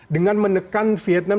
dengan menekan vietnam